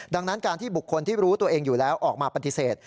ดังนั้นการที่บุคคลที่รู้ตัวเองอยู่แล้วออกมาปฏิเสธ